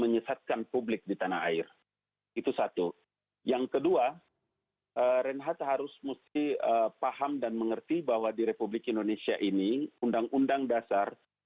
yang keluar dari siapapun dia